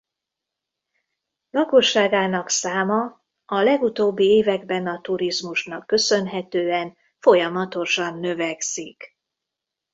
Lakosságának száma a legutóbbi években a turizmusnak köszönhetően folyamatosan növekszik.